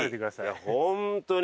いやホントに。